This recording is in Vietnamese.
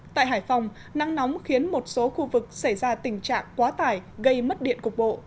tại hải phòng nắng nóng khiến một số khu vực xảy ra tình trạng quá tải gây mất điện cục bộ